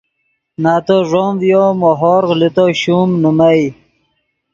نتو ݱوم ڤیو مو ہورغ لے تو شوم نیمئے